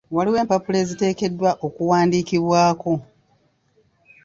Waliwo empapula eziteekeddwa okuwandiikibwako.